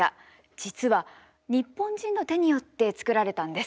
実は日本人の手によって作られたんです。